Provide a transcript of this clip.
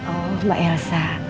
oh mbak elsa